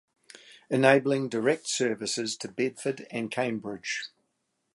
Enabling direct services to Bedford and Cambridge.